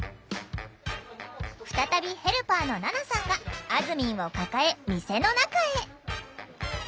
再びヘルパーの菜奈さんがあずみんを抱え店の中へ。